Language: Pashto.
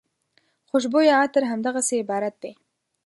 خوشبویه عطر همدغسې عبارت دی.